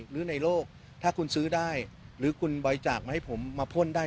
หรือในโลกถ้าคุณซื้อได้หรือคุณบริจาคมาให้ผมมาพ่นได้